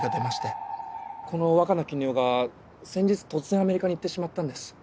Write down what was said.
この若菜絹代が先日突然アメリカに行ってしまったんです。